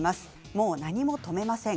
もう何も止めません。